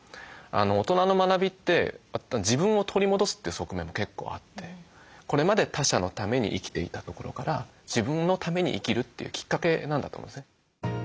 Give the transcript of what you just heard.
大人の学びって自分を取り戻すという側面も結構あってこれまで他者のために生きていたところから自分のために生きるというきっかけなんだと思うんですね。